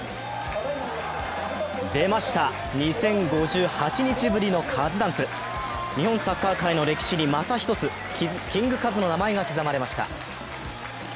出ました、２０５８日ぶりのカズダンス日本サッカー界の歴史にまた１つ、キングカズの名前が刻まれました。